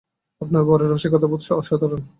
আপনার বরের রসিকতাবোধ অসাধারণ।